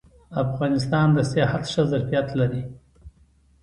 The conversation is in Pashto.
افغانستان د سیاحت ښه ظرفیت لري